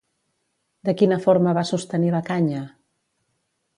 De quina forma va sostenir la canya?